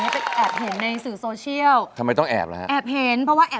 สนุนโดยอีซูซู